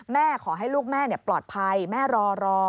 ขอให้ลูกแม่ปลอดภัยแม่รอ